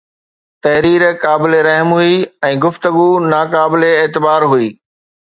تحرير قابل رحم هئي ۽ گفتگو ناقابل اعتبار هئي